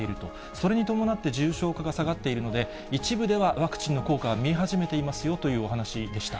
それに伴って重症化が下がっているので、一部では、ワクチンの効果は見え始めていますよというお話でした。